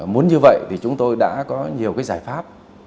muốn như vậy thì chúng tôi đã có nhiều cái giải pháp